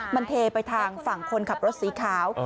มันเทไปทางฝั่งคนขับรถสีขาว